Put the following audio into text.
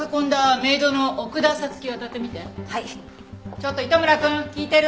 ちょっと糸村くん聞いてる？